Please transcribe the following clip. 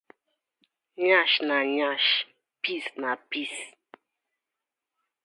Yansh na yansh piss na piss.